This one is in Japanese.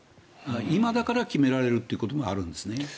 今だから決められるということもあるんですね。